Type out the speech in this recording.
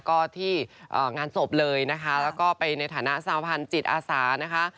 ก็ที่งานศพเลยนะคะแล้วก็ไปในฐานะสาวพันธ์จิตอาสานะคะ